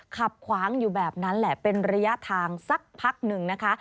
ขับขวางอยู่แบบนั้นแหละเป็นระยะทางสักพักหนึ่งนะคะ